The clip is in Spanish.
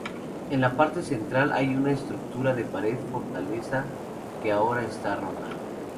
En la parte central hay una estructura de pared fortaleza que ahora está rota.